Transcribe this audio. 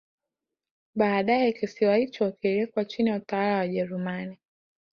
Baadae kisiwa hicho kiliwekwa chini ya utawala wa Wajerumani